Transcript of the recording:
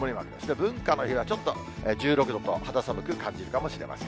文化の日はちょっと１６度と、肌寒く感じるかもしれません。